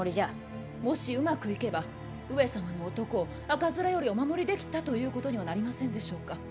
もしうまくいけば上様の男を赤面よりお守りできたということにはなりませんでしょうか。